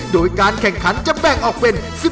โดยการแข่งขันจะแบ่งออกเป็น๑๐